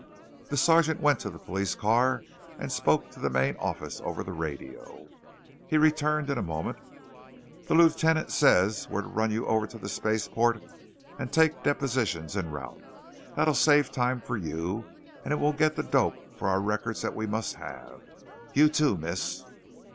The sergeant went to the police car and spoke to the main office over the radio. He returned in a moment. "The lieutenant says we're to run you over to the spaceport and take depositions en route. That'll save time for you, and it will get the dope for our records that we must have. You too, Miss